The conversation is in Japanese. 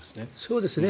そうですね。